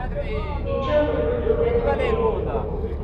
Yečča weɣyul tuga deg udaynin.